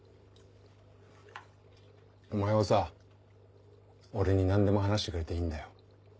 お前はさ俺に何でも話してくれていいんだよ。